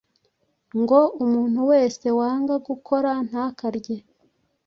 ngo umuntu wese wanga gukora ntakarye.”